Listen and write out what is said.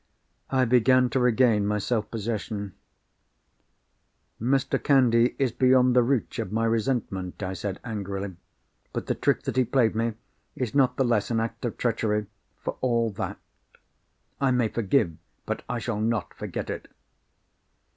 I began to regain my self possession. "Mr. Candy is beyond the reach of my resentment," I said angrily. "But the trick that he played me is not the less an act of treachery, for all that. I may forgive, but I shall not forget it."